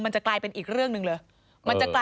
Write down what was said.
จะกลายเป็นอีกเรื่องหนึ่งเลย